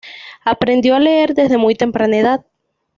Aprendió a leer desde muy temprana edad.